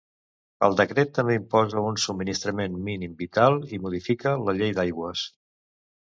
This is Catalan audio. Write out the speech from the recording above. El decret també imposa un subministrament mínim vital i modifica la llei d'aigües.